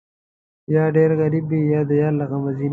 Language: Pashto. یا ډېر غریب وي، یا د یار له غمه ځینه